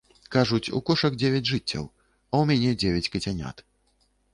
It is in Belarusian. Кажуць, у кошак дзевяць жыццяў, а ў мяне дзевяць кацянят.